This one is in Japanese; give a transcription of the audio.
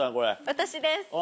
私です。